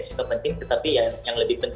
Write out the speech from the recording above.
saya juga menarik dari thailand